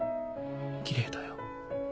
きれいだよ。